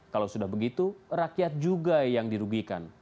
kalau sudah begitu rakyat juga yang dirugikan